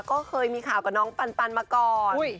ก็เคยมีข่าวกับน้องปันมาก่อน